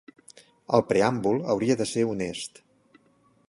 El preàmbul hauria de ser honest.